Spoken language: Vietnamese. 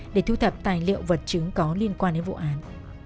để thu thập tài liệu vật chứng có liên quan đến vụ án